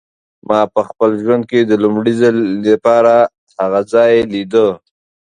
ما په خپل ژوند کې د لومړي ځل لپاره هغه ځای لیده.